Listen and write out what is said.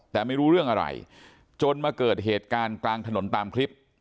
แต่ไม่รู้เรื่องอะไรจนมาเกิดเหตุการณ์กลางถนนตามคลิป